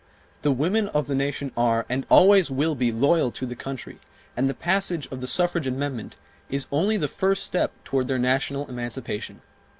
The women of the nation are, and always will be, loyal to the country, and the passage of the suffrage amendment is only the first step toward their national emancipation.